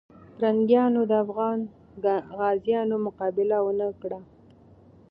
پرنګیانو د افغان غازیانو مقابله ونه کړه.